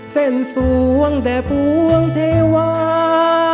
เส้นสวงแด่พวงเทวา